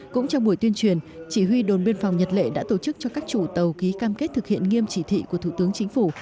cũng trong buổi tuyên truyền chỉ huy đồn biên phòng nhật lệ đã tổ chức cho các chủ tàu ký cam kết thực hiện nghiêm chỉ thị của thủ tướng chính phủ